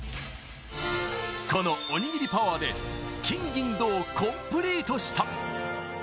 このおにぎりパワーで金・銀・銅をコンプリートした。